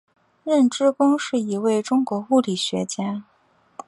任之恭是一位中国物理学家。